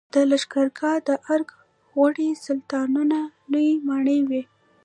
د لښکرګاه د ارک د غوري سلطانانو لوی ماڼۍ وه